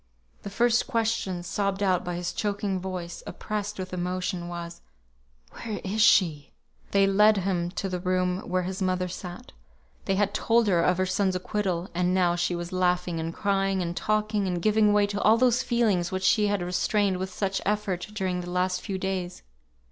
The first question sobbed out by his choking voice, oppressed with emotion, was, "Where is she?" They led him to the room where his mother sat. They had told her of her son's acquittal, and now she was laughing, and crying, and talking, and giving way to all those feelings which she had restrained with such effort during the last few days.